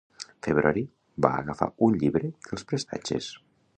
February va agafar un llibre dels prestatges.